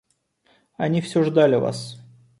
Они всё ждали вас.